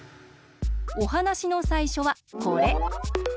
おはなしのさいしょはこれ。